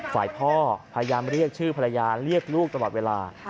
ฝ่ายพ่อพยายามเรียกชื่อภรรยาเรียกลูกตลอดเวลา